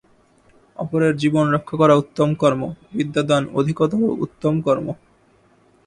অপরের জীবন রক্ষা করা উত্তম কর্ম, বিদ্যাদান অধিকতর উত্তম কর্ম।